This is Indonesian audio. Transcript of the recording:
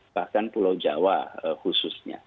bahkan pulau jawa khususnya